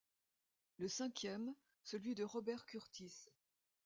Le cinquième, celui de Robert Kurtis.